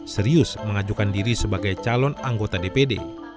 serius mengajukan diri sebagai calon anggota dpd